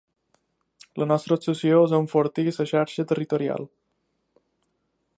La nostra obsessió és enfortir la xarxa territorial.